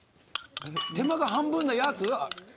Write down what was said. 手間が半分なやつ？